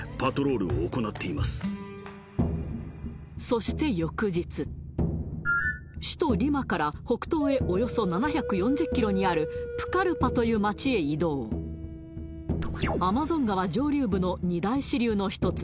そして翌日首都リマから北東へおよそ７４０ｋｍにあるプカルパという街へ移動アマゾン川上流部の２大支流の一つ